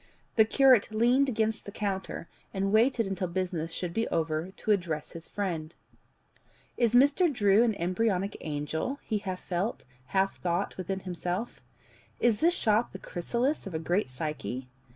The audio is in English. The curate leaned against the counter, and waited until business should be over to address his friend. "Is Mr. Drew an embryonic angel?" he half felt, half thought within himself. "Is this shop the chrysalis of a great psyche?